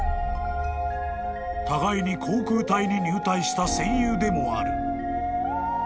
［互いに航空隊に入隊した戦友でもある］